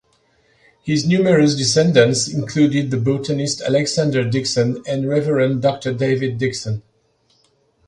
His numerous descendants included the botanist Alexander Dickson and Rev Dr David Dickson.